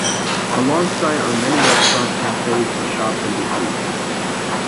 Alongside are many restaurants, cafes, shops and boutiques.